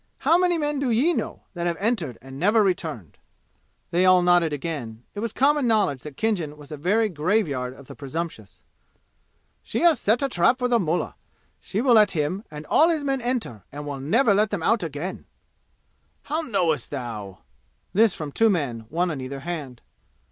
How many men do ye know that have entered and never returned?" They all nodded again. It was common knowledge that Khinjan was a very graveyard of the presumptuous. "She has set a trap for the mullah. She will let him and all his men enter and will never let them out again!" "How knowest thou?" This from two men, one on either hand.